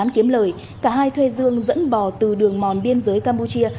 kiếm lời cả hai thuê dương dẫn bò từ đường mòn biên giới campuchia